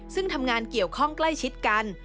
ซึ่งทำงานเกี่ยวข้องใกล้ชิดกัน